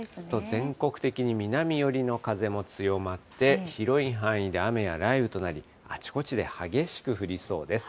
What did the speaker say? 全国的に南寄りの風も強まって、広い範囲で雨や雷雨となり、あちこちで激しく降りそうです。